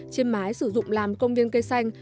trên mái sử dụng làm công viên cây xanh